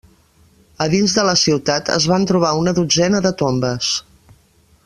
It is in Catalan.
A dins de la ciutat es van trobar una dotzena de tombes.